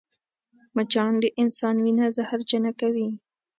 مچان د انسان وینه زهرجنه کوي